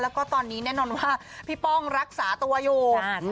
แล้วก็ตอนนี้แน่นอนว่าพี่ป้องรักษาตัวอยู่